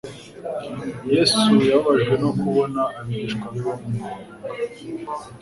Yesu yababajwe no kubona abigishwa be bamuhunga,